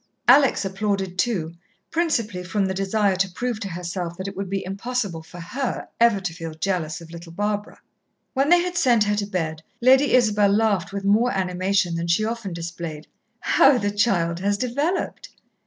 Alex applauded too, principally from the desire to prove to herself that it would be impossible for her ever to feel jealous of little Barbara. When they had sent her to bed, Lady Isabel laughed with more animation than she often displayed. "How the child has developed!"